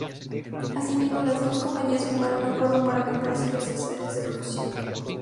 Así mismo, las dos compañías firmaron un acuerdo para comprarse los excedentes de producción.